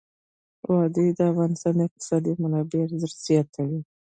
وادي د افغانستان د اقتصادي منابعو ارزښت زیاتوي.